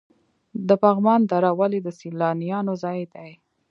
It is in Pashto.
د پغمان دره ولې د سیلانیانو ځای دی؟